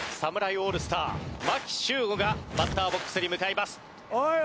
オールスター牧秀悟がバッターボックスに向かいます。